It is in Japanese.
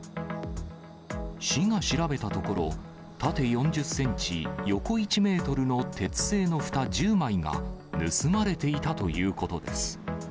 市が調べたところ、縦４０センチ、横１メートルの鉄製のふた１０枚が盗まれていたということです。